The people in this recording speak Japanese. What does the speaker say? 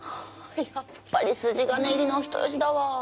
やっぱり筋金入りのお人好しだわ。